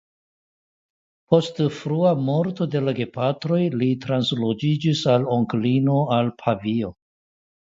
Post frua morto de la gepatroj li transloĝiĝis al onklino al Pavio.